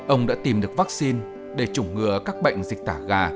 ông đã tìm được vaccine để chủng ngừa các bệnh dịch tả gà